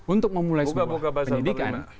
untuk memulai semua pendidikan